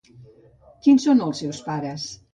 Quins són els seus pares?